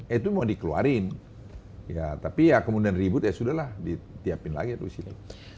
itu mau dikeluarin ya tapi ya kemudian ribut ya sudah lah ditiapin lagi terus itu